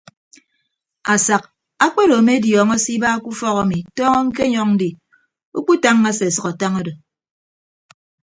Asak akpedo ame adiọñọ se iba ke ufọk ami tọñọ ñkenyọñ ndi ukpu tañña se asʌk atañ odo.